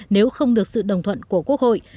nếu không được sự đồng thuận của quốc hội